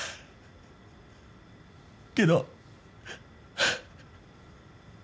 けど。